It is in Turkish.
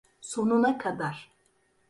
Sonuna kadar.